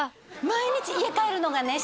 毎日家帰るのがね